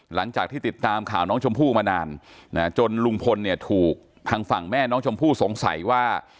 หลังจากที่ติดตามข่าวน้องชมพู่มานานจนลุงพลเนี่ยถูกทางฝั่งแม่น้องชมพู่สงสัยว่า